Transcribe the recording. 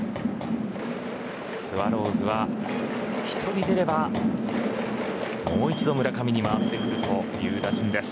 スワローズは１人出ればもう一度、村上に回ってくるという打順です。